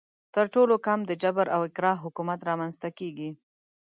تر ټولو کم د جبر او اکراه حکومت رامنځته کیږي.